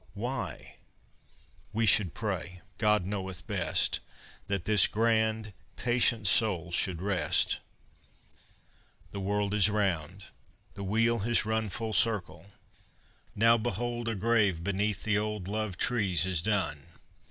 Why, we should pray, God knoweth best, That this grand, patient soul should rest. III The world is round. The wheel has run Full circle. Now behold a grave Beneath the old loved trees is done.